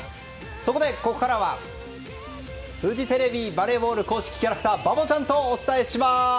そこで、ここからはフジテレビバレーボール公式キャラクターバボちゃんとお伝えします！